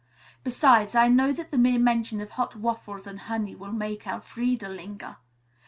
Besides, I know that the mere mention of hot waffles and honey will make Elfreda linger.